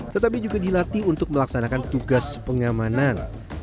tetapi juga dilatih untuk melaksanakan tugas pengamanan